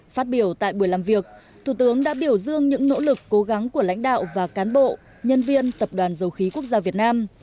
phát biểu tại buổi làm việc thủ tướng đã biểu dương những nỗ lực cố gắng của lãnh đạo và cán bộ nhân viên tập đoàn dầu khí quốc gia việt nam